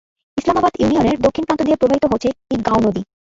ইসলামাবাদ ইউনিয়নের দক্ষিণ প্রান্ত দিয়ে প্রবাহিত হচ্ছে ঈদগাঁও নদী।